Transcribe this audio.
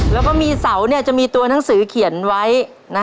แล้วก็มีเสาจะมีตัวหนังสือเขียนไว้